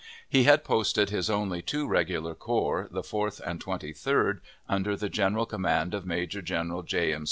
He had posted his only two regular corps, the Fourth and Twenty third, under the general command of Major General J. M.